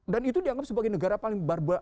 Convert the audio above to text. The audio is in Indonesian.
dan itu dianggap sebagai negara paling barba